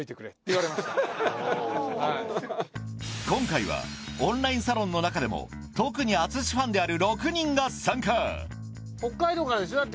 今回はオンラインサロンの中でも特に淳ファンである６人が参加北海道からでしょ？